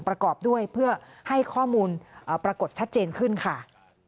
ประกอบด้วยเพื่อให้ข้อมูลปรากฏชัดเจนขึ้นค่ะ